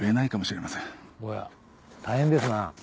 おや大変ですな。